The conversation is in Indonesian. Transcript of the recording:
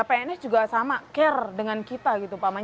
pns juga sama care dengan kita